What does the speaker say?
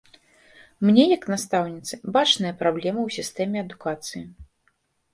Мне, як настаўніцы, бачныя праблемы ў сістэме адукацыі.